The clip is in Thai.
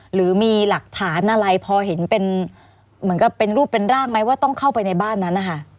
หรือมีหลักฐานอะไรพอเห็นเป็นเหมือนกับเป็นรูปเป็นร่างไหมว่าต้องเข้าไปในบ้านนั้นนะคะ